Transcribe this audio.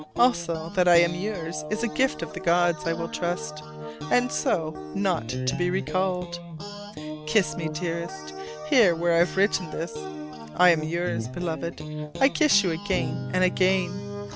Also that I am yours is a gift of the gods, I will trust: and so, not to be recalled! Kiss me, dearest; here where I have written this! I am yours, Beloved. I kiss you again and again.